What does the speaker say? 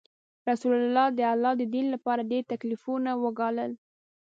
رسول الله د الله د دین لپاره ډیر تکلیفونه وګالل.